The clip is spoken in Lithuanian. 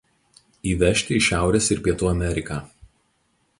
Įvežti į Šiaurės ir Pietų Ameriką.